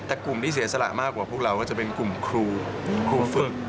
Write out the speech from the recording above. แต่กลุ่มที่เสียสละมากกว่าพวกเราก็จะเป็นกลุ่มครูครูฝึก